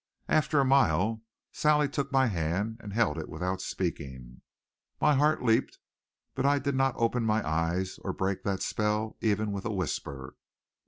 After a mile Sally took my hand and held it without speaking. My heart leaped, but I did not open my eyes or break that spell even with a whisper.